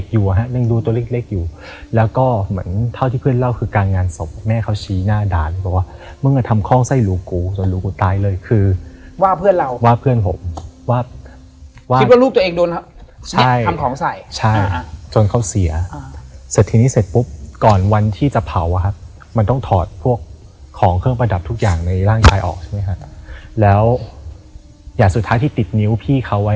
อยู่อ่ะฮะเรื่องดูตัวเล็กเล็กอยู่แล้วก็เหมือนเท่าที่เพื่อนเล่าคือการงานศพแม่เขาชี้หน้าด่านเพราะว่ามึงจะทำคล้องไส้หลูกกูจนหลูกกูตายเลยคือว่าเพื่อนเราว่าเพื่อนผมว่าว่าคิดว่ารูปตัวเองโดนใช่ทำของใส่ใช่จนเขาเสียอ่ะอ่าเสร็จทีนี้เสร็จปุ๊บก่อนวันที่จะเผาอ่ะฮะมันต้องถอดพวกของเครื่อง